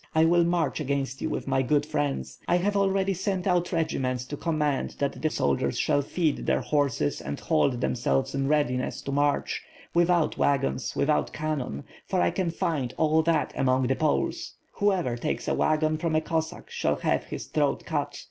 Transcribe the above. I will march against you with my good friends. I have already sent out regi ments to command that the soldiers shall feed their horses and hold th'jmselves in readiness to march, without wagons, without cannon; for I can find all that among the Poles. Whoever takes a wagon from a Cossack shall have his throat cut.